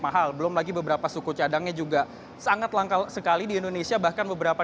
mahal belum lagi beberapa suku cadangnya juga sangat langka sekali di indonesia bahkan beberapa